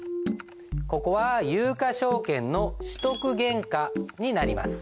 ここは有価証券の取得原価になります。